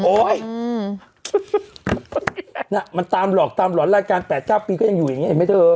มันตามหลอกตามหลอนรายการ๘๙ปีก็ยังอยู่อย่างนี้เห็นไหมเธอ